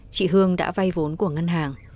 chị hương đã vay vốn của ngân hàng